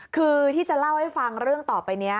คือที่จะเล่าให้ฟังเรื่องต่อไปนี้